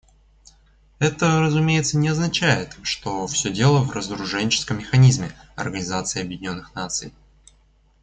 Это, разумеется, не означает, что все дело в разоруженческом механизме Организации Объединенных Наций.